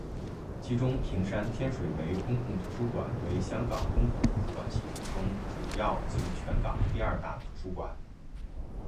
其中屏山天水围公共图书馆为香港公共图书馆系统中主要及全港第二大图书馆。